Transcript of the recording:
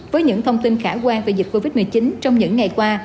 với những thông tin khả quan về dịch covid một mươi chín trong những ngày qua